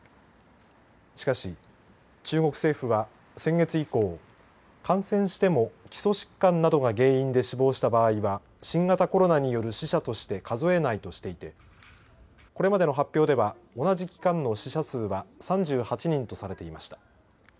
しかし、中国政府は先月以降感染しても基礎疾患などが原因で死亡した場合は新型コロナによる死者として数えないとしていてこれまでの発表では同じ期間の死者数は３８人とされていました。